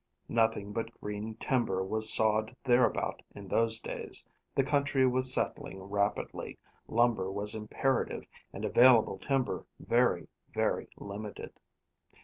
Nothing but green timber was sawed thereabout in those days. The country was settling rapidly, lumber was imperative, and available timber very, very limited.